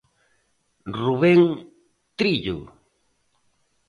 Rubén Trillo.